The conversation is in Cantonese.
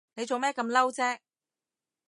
你做咩咁嬲啫？